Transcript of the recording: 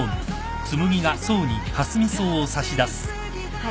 はい。